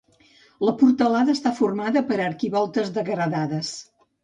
La portalada està formada per arquivoltes degradades.